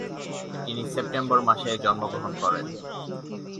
তিনি সেপ্টেম্বর মাসে জন্মগ্রহণ করেন।